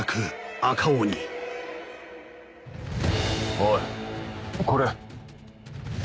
おいこれ。